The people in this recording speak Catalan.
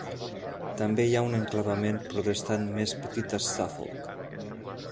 També hi ha un enclavament protestant més petit a Suffolk.